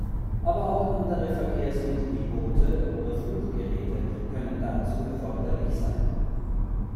Aber auch andere Verkehrsmittel wie Boote oder Fluggeräte können dazu erforderlich sein.